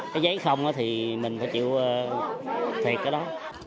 cái giấy không thì mình phải chịu thiệt cái đó